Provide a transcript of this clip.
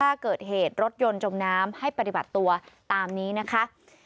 ถ้าเกิดเหตุรถยนต์จมน้ำให้ปฏิบัติตัวตามนี้นะคะ